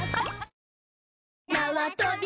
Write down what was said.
なわとび